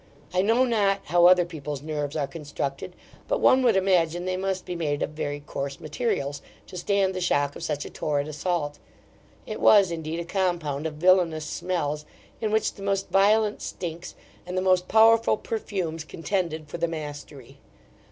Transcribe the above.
I know not how other people's nerves are constructed; but one would imagine they must be made of very coarse materials, to stand the shock of such a torrid assault. It was, indeed, a compound of villainous smells, in which the most violent stinks, and the most powerful perfumes, contended for the mastery.